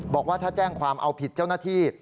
บอกว่าถ้าแจ้งความเอาผิดเจ้าหน้าที่